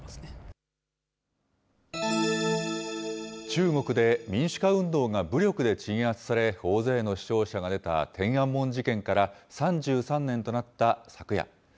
中国で民主化運動が武力で鎮圧され、大勢の死傷者が出た天安門事件から、３３年となった昨夜。